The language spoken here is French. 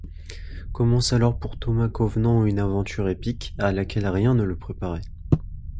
Commence alors pour Thomas Covenant une aventure épique, à laquelle rien ne le préparait.